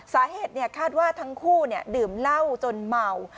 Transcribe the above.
สาเหตุเนี่ยคาดว่าทั้งคู่เนี่ยดื่มเหล้าจนเหมา